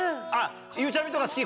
ゆうちゃみとか好き？